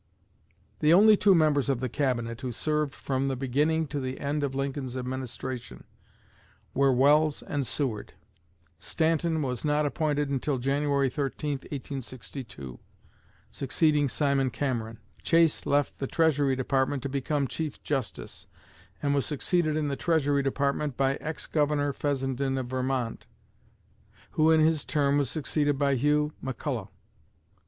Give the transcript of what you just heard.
The only two members of the Cabinet who served from the beginning to the end of Lincoln's administration were Welles and Seward. Stanton was not appointed until January 13, 1862, succeeding Simon Cameron. Chase left the Treasury Department to become Chief Justice, and was succeeded in the Treasury Department by ex Governor Fessenden of Vermont, who in his turn was succeeded by Hugh McCulloch.